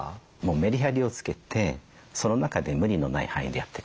メリハリをつけてその中で無理のない範囲でやっていく。